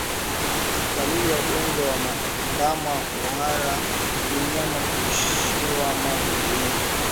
Dalili ya ugonjwa wa ndama kuhara ni mnyama kuishiwa maji mwilini